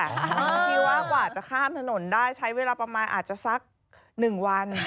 ที่ว่ากว่าจะข้ามถนนได้ใช้เวลาประมาณอาจจะสัก๑วัน